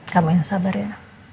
kamu yang sabar ya